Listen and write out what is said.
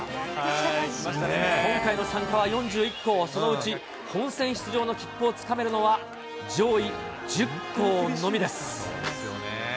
今回の参加４１校、そのうち本戦出場の切符をつかめるのは上位１０校のみです。